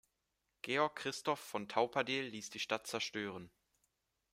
Georg Christoph von Taupadel ließ die Stadt zerstören.